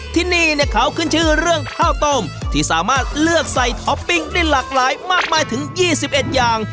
ที่นี่เนี่ยเขาขึ้นชื่อเรื่องข้าวต้มที่สามารถเลือกใส่ท็อปปิ้งได้หลากหลายมากมายถึง๒๑อย่าง